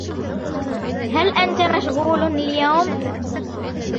هل انت مشغول اليوم ؟